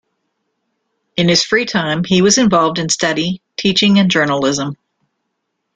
In his free time he was involved in study, teaching and journalism.